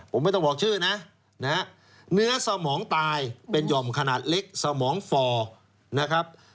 ผมไม่ต้องบอกชื่อนะเนื้อสมองตายเป็นหย่อมขนาดเล็กสมองฝ่อนะครับ